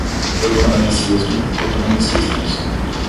Economicismo, economicistas